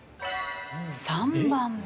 ３番目。